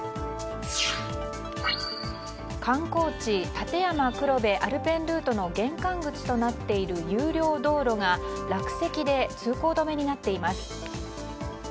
観光地立山黒部アルペンルートの玄関口となっている有料道路が落石で通行止めになっています。